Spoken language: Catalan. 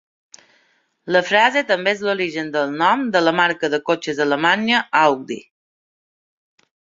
La frase també és l'origen del nom de la marca de cotxes alemanya Audi.